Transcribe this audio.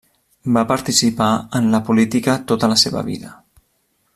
Va participar en la política tota la seva vida.